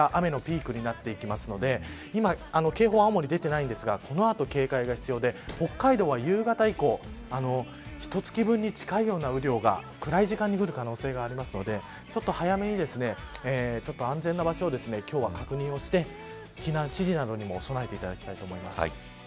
秋田と青森、これから雨のピークになっていくので今、警報、青森出てないんですがこの後警戒が必要で北海道は夕方以降ひと月分に近いような雨量が暗い時間に降る可能性があるのでちょっと早めに安全な場所を確認して避難指示などにも備えていただきたいと思います。